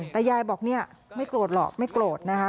แต่ยายบอกเนี่ยไม่โกรธหรอกไม่โกรธนะคะ